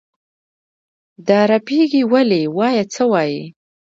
دا رپېږې ولې؟ وایه څه وایې؟